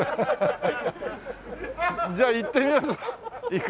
じゃあ行ってみましょう。